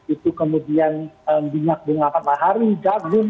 itu kemudian minyak bunga matahari jagung